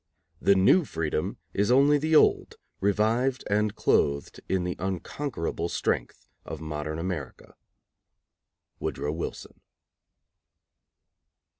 The New Freedom is only the old revived and clothed in the unconquerable strength of modern America. WOODROW WILSON.